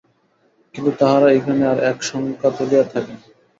কিন্তু তাঁহারা এইখানে আর এক শঙ্কা তুলিয়া থাকেন।